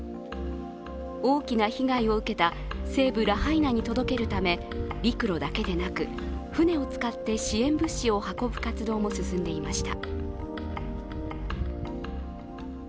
大きな被害を受けた西部ラハイナに届けるため陸路だけでなく、船を使って支援物資を運ぶ活動も進んでいました。